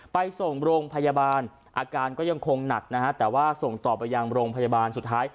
ไปส่งโรงพยาบาลอาการก็ยังคงหนักนะฮะแต่ว่าส่งต่อไปยังโรงพยาบาลสุดท้าย